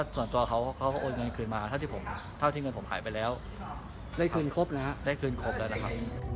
สวัสดีครับสวัสดีค่ะ